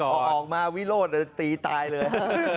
เออถ้าออกมาวิโรธก็ตีตายเลย